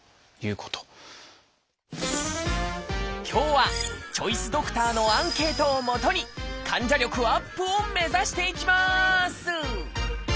今日はチョイスドクターのアンケートをもとに患者力アップを目指していきます！